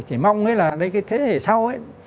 chỉ mong là thế hệ sau